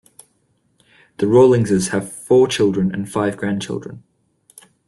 The Rawlingses have four children and five grandchildren.